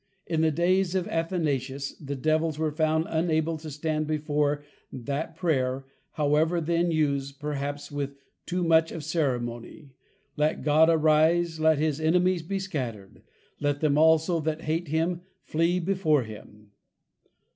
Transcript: In the Days of Athanasius, the Devils were found unable to stand before, that Prayer, however then used perhaps with too much of Ceremony, _Let God Arise, Let his Enemies be Scattered. Let them also that Hate Him, flee before Him.